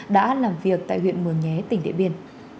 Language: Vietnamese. đã làm việc tại huyện mường nhé tỉnh điện biên